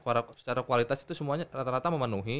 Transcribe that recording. maksudnya apakah secara kualitas itu semuanya rata rata memenuhi